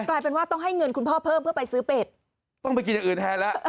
กลายเป็นว่าต้องให้เงินคุณพ่อเพิ่มเพื่อไปซื้อเป็ดต้องไปกินอย่างอื่นแทนแล้ว